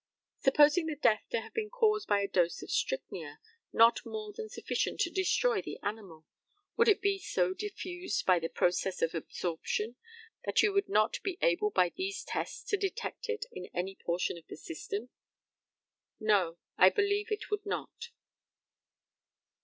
Supposing the death to have been caused by a dose of strychnia, not more than sufficient to destroy the animal, would it be so diffused by the process of absorption that you would not be able by these tests to detect it in any portion of the system? No; I believe it would not.